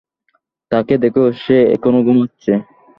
তাকে দেখ, সে এখনো ঘুমাচ্ছে।